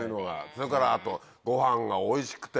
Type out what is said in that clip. それからあとごはんがおいしくて。